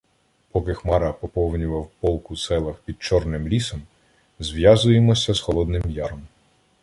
Поки Хмара поповнював полк у селах під Чорним лісом, зв'язуємося з Холодним Яром.